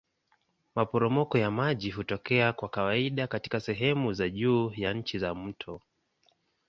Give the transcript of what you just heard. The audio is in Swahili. Maporomoko ya maji hutokea kwa kawaida katika sehemu za juu ya njia ya mto.